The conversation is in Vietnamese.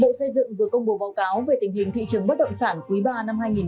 bộ xây dựng vừa công bố báo cáo về tình hình thị trường bất động sản quý ba năm hai nghìn hai mươi